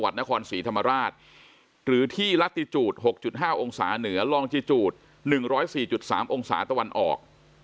ที่ละติจูต๖๕องศาเหนือลองจิจูต๑๐๔๓องศาตะวันออก